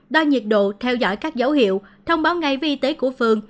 đo nhiệt độ theo dõi các dấu hiệu thông báo ngay với y tế của phường